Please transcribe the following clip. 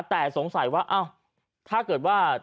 แต่สงสัยว่าอ้าวถ้าเกิดว่า